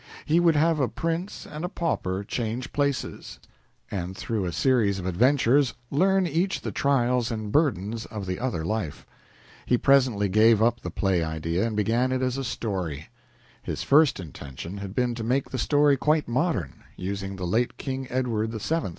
He would have a prince and a pauper change places, and through a series of adventures learn each the trials and burdens of the other life. He presently gave up the play idea, and began it as a story. His first intention had been to make the story quite modern, using the late King Edward VII.